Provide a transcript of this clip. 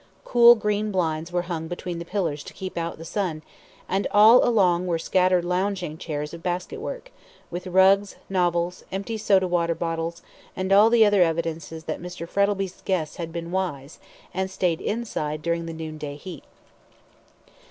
Cool green blinds were hung between the pillars to keep out the sun, and all along were scattered lounging chairs of basket work, with rugs, novels, empty soda water bottles, and all the other evidences that Mr. Frettlby's guests had been wise, and stayed inside during the noonday heat.